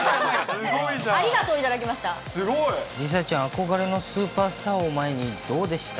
梨紗ちゃん、憧れのスーパースターを前にどうでした？